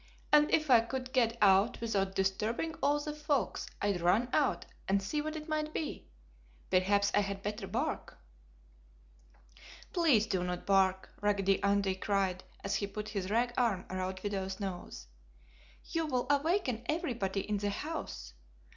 "And if I could get out without disturbing all the folks, I'd run out and see what it might be! Perhaps I had better bark!" "Please do not bark!" Raggedy Andy cried as he put his rag arm around Fido's nose. "You will awaken everybody in the house.